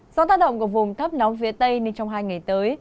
do tác động của vùng thấp nóng phía tây nên trong hai ngày tới